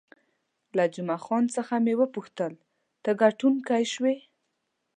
له جمعه خان څخه مې وپوښتل، ته ګټونکی شوې؟